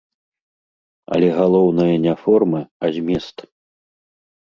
Але галоўнае не форма, а змест.